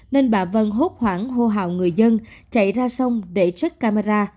nên bà vân hốt khoảng hô hào người dân chạy ra sông để chất camera